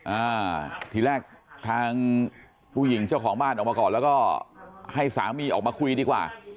อ่าทีแรกทางผู้หญิงเจ้าของบ้านออกมาก่อนแล้วก็ให้สามีออกมาคุยดีกว่า